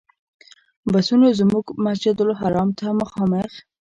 بسونو موږ مسجدالحرام ته مخامخ.